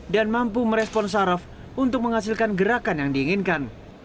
dan mampu meresponsaraf untuk menghasilkan gerakan yang diinginkan